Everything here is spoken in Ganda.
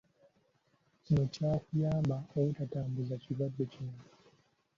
Kino kyakuyamba obutatambuza kirwadde kino.